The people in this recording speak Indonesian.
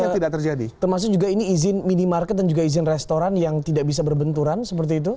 termasuk juga ini izin mini market dan juga izin restoran yang tidak bisa berbenturan seperti itu